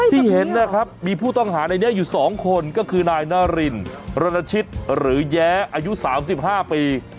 ที่เห็นนะครับมีผู้ต้องหาในนี้อยู่๒คนก็คือนายนารินรณชิตหรือแย้อายุ๓๕ปี